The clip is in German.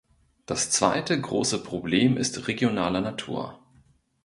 Das zweite große Problem ist regionaler Natur.